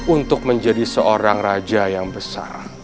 untuk menjadi seorang raja yang besar